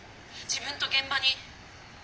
自分と現場に。